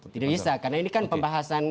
tidak bisa karena ini kan pembahasan